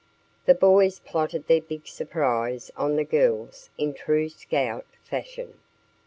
The boys plotted their big surprise on the girls in true scout fashion.